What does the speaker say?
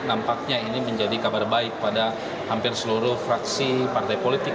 nampaknya ini menjadi kabar baik pada hampir seluruh fraksi partai politik